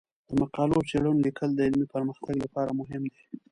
د مقالو او څیړنو لیکل د علمي پرمختګ لپاره مهم دي.